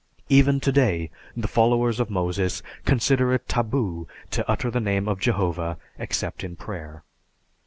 Even today, the followers of Moses consider it taboo to utter the name of Jehovah except in prayer.